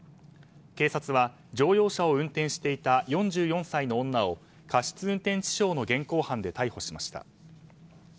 警察は乗用車を運転していた４４歳の女を過失運転致傷の現行犯で逮捕しました。